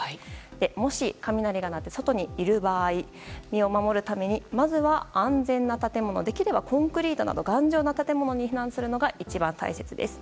もし雷が鳴って外にいる場合身を守るためにまずは安全な建物できればコンクリートなど頑丈な建物に避難するのが一番大切です。